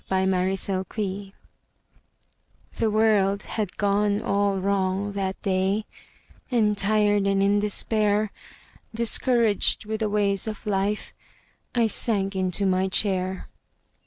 MY COMFORTER The world had all gone wrong that day And tired and in despair, Discouraged with the ways of life, I sank into my chair.